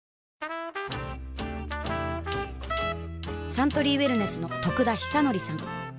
サントリーウエルネスの得田久敬さん